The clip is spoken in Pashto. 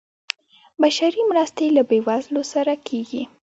بشري مرستې له بیوزلو سره کیږي